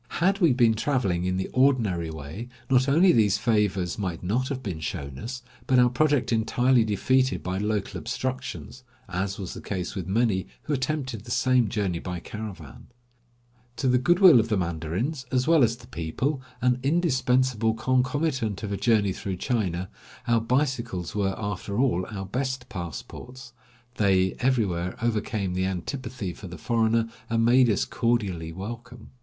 Had we been traveling in the ordinary way, not only these favors might not have been shown us, but our project entirely defeated by 155 STYLISH CART OF A CHINESE MANDARIN. 156 Across Asia on a Bicycle local obstructions, as was the case with many who attempted the same journey by caravan. To the good will of the mandarins, as well as the people, an indispensable concomitant of a journey through China, our bicycles were after all our best passports. They everywhere overcame the antipathy for the foreigner, and made us cordially welcome.